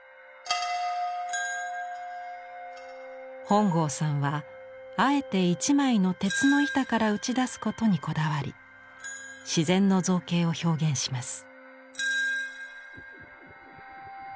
本郷さんはあえて一枚の鉄の板から打ち出すことにこだわり自然の造形を表現します。